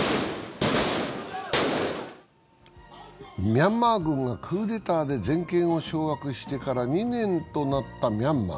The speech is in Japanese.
ミャンマー軍がクーデターで全権を掌握してから２年となったミャンマー。